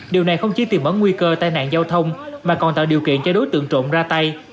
điều này không chỉ tìm mở nguy cơ tai nạn giao thông mà còn tạo điều kiện cho đối tượng trộm ra tay